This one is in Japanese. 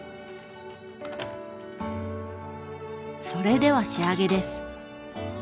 それでは仕上げです。